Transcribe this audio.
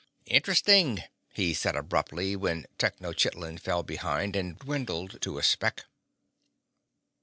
"Interesting," he said abruptly when Tenochitlan fell behind and dwindled to a speck.